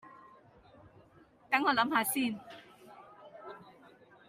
等我諗吓先